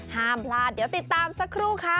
ห้ามพลาดเดี๋ยวติดตามสักครู่ค่ะ